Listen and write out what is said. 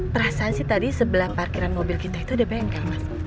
perasaan sih tadi sebelah parkiran mobil kita itu ada bengkel mas